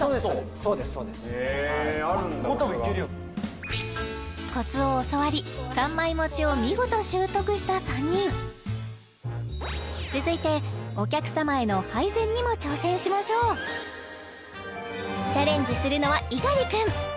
そうですへえあるんだコツがコツを教わり３枚持ちを見事習得した３人続いてお客様への配膳にも挑戦しましょうチャレンジするのは猪狩君